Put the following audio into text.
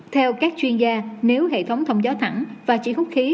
theo các chuyên gia nếu hệ thống thông gió thẳng và chỉ hút khí